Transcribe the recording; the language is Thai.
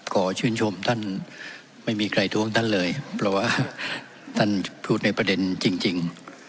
ขอชื่นชมท่านไม่มีใครท้วงท่านเลยเพราะว่าท่านพูดในประเด็นจริง